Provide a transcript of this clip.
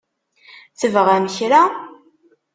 Tebɣam kra?